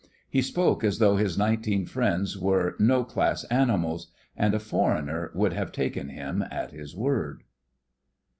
He spoke as though his nineteen friends were no class animals; and a foreigner would have taken him at his word.